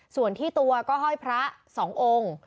ส่วนที่ตัวก็ห้อยพระ๒องค์